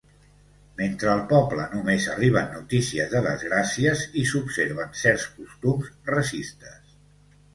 Mentre al poble només arriben notícies de desgràcies i s'observen certs costums racistes.